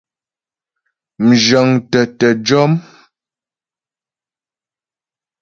Mzhə̌ŋtə tə jɔ́m.